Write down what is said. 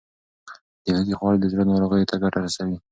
د هوږې خوړل د زړه ناروغیو ته ګټه رسوي.